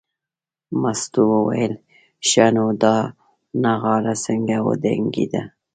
مستو وویل ښه نو دا نغاره څنګه وډنګېده.